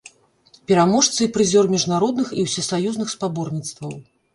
Пераможца і прызёр міжнародных і усесаюзных спаборніцтваў.